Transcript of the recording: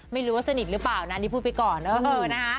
ไม่รู้ว่าสนิทหรือเปล่านะนี่พูดไปก่อนเนอะ